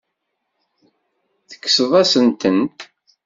Tekkseḍ-asent-tent.